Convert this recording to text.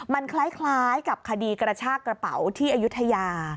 มันคล้ายกับคดีกระชากระเป๋าที่อายุทยา